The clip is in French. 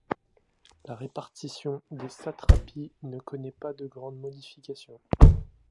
La répartition des satrapies ne connait pas de grandes modifications.